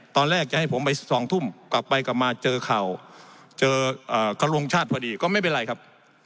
ตอนแรกจะให้ผมไป๒ทุ่มกลับไปกลับมาเจอข่าวเจอเขาลงชาติพอดีก็ไม่เป็นไรครับ